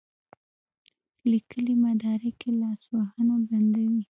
لیکلي مدارک یې لاسونه بندوي.